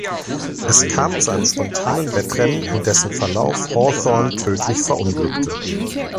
Es kam zu einem spontanen Wettrennen, in dessen Verlauf Hawthorn tödlich verunglückte.